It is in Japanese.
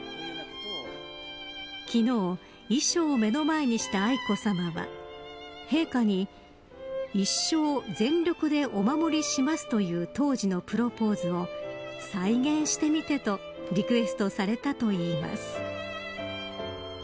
昨日、衣装を目の前にした愛子さまは陛下に一生全力でお守りしますという当時のプロポーズを再現してみてとリクエストされたといいます。